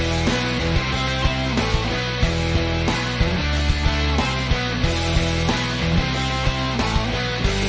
ก็ไม่น่าจะดังกึ่งนะ